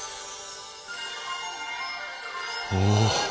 おお！